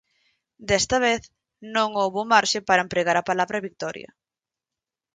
Desta vez, non houbo marxe para empregar a palabra vitoria.